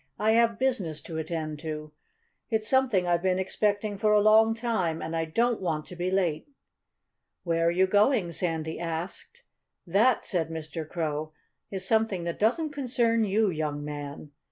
"I have business to attend to. It's something I've been expecting for a long time. And I don't want to be late." "Where are you going?" Sandy asked. "That " said Mr. Crow "that is something that doesn't concern you, young man."